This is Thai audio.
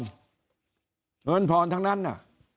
จะทำงานค่ะ